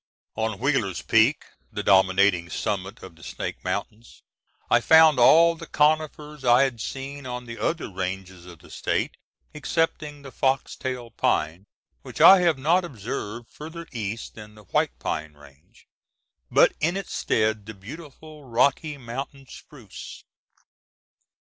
On Wheeler's Peak, the dominating summit of the Snake Mountains, I found all the conifers I had seen on the other ranges of the State, excepting the foxtail pine, which I have not observed further east than the White Pine range, but in its stead the beautiful Rocky Mountain spruce.